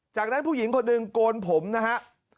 จากนั้นผู้หญิงคนหนึ่งโกนผมนะฮะ